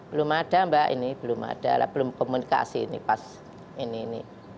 belum ada mbak ini belum ada belum komunikasi ini pas ini ini